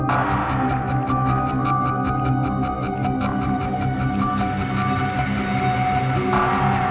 อันนั้นน่าจะเป็นวัยรุ่นที่จะเจอวันนี้